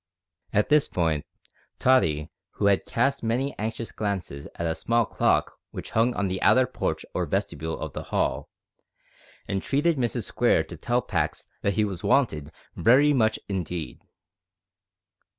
At this point Tottie, who had cast many anxious glances at a small clock which hung in the outer porch or vestibule of the hall, entreated Mrs Square to tell Pax that he was wanted very much indeed.